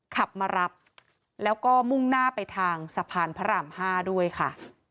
ขับมารับแล้วก็มุ่งหน้าไปทางสะพานพระราม๕ด้วยค่ะ